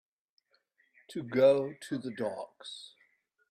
To go to the dogs